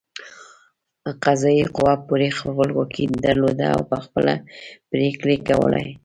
قضايي قوه پوره خپلواکي درلوده او په خپله پرېکړې کولې.